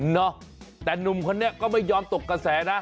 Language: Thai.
เนาะแต่หนุ่มคนนี้ก็ไม่ยอมตกกระแสนะ